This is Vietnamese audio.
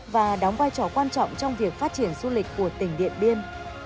và đóng vai trò quan trọng trong việc phát triển du lịch của tỉnh điện biên